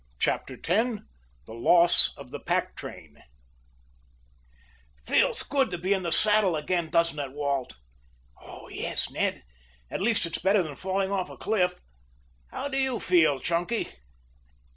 CHAPTER X THE LOSS OF THE PACK TRAIN "Feels good to be in the saddle again, doesn't it, Walt?" "Yes, Ned. At least it's better than falling over a cliff. How do you feel, Chunky?"